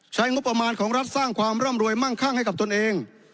ใช้งบประมาณของรัฐสร้างความร่ำรวยมั่งคั่งให้กับตนเอง